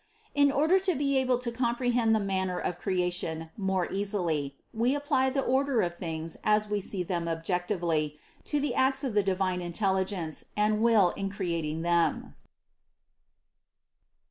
In order to be able to comprehend the manner of cre ation more easily, we apply the order of things as we see them objectively, to the acts of the divine intelligence and will in creating them.